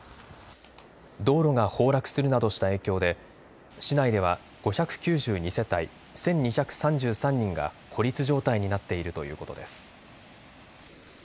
道路が崩落するなどした影響で市内では５９２世帯１２３３人が孤立状態になっているということです。